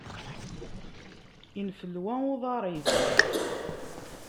Infelwa uḍaṛ-is.